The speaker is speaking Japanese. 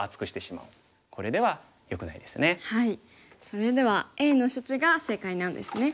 それではＡの処置が正解なんですね。